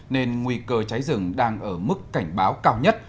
nên nguy cơ cháy rừng đang ở mức cảnh báo cao nhất